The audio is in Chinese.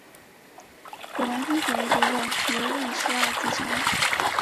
米兰公爵爵位由路易十二继承。